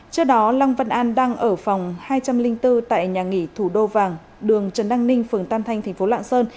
trước đó lăng văn an đang ở phòng hai trăm linh bốn tại nhà nghỉ thủ đô vàng đường trần đăng ninh phường tam thanh tp lạng sơn